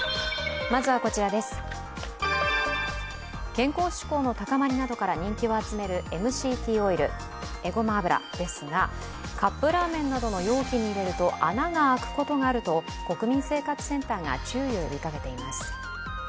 健康志向の高まりなどから人気を集めるＭＣＴオイル、えごま油ですがカップラーメンなどの容器に入れると穴が開くことがあると国民生活センターが注意を呼びかけています。